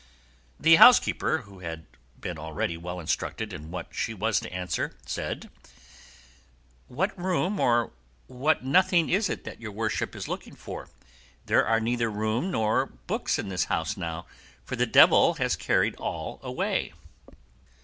The housekeeper, who had been already well instructed in what she was to answer, said, "What room or what nothing is it that your worship is looking for? There are neither room nor books in this house now, for the devil himself has carried all away."